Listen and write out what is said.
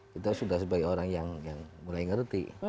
kita sudah sebagai orang yang mulai ngerti